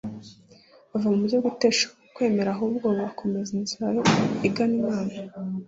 bave mu byo guteshuka ku kwemera ahubwo bakomeza inzira igana Imana